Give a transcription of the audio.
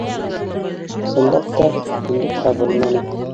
Ысынлап та, тинлек табылманы